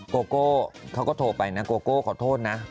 โกโก้เขาก็โทรไปนะโกโก้ขอโทษนะ